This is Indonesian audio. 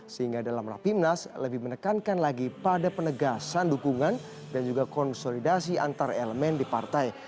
sehingga dalam rapimnas lebih menekankan lagi pada penegasan dukungan dan juga konsolidasi antar elemen di partai